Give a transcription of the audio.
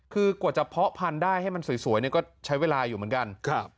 คือกว่าจะเพาะพันธุ์ได้ให้มันสวยเนี่ยก็ใช้เวลาอยู่เหมือนกัน